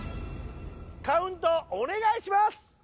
カウントお願いします。